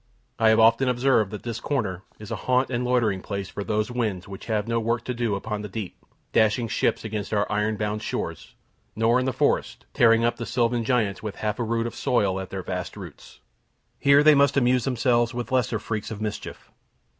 I have often observed that this corner is a haunt and loitering place for those winds which have no work to do upon the deep, dashing ships against our iron bound shores; nor in the forest, tearing up the sylvan giants with half a rood of soil at their vast roots. Here they amuse themselves with lesser freaks of mischief.